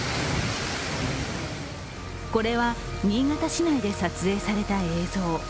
これは新潟市内で撮影された映像。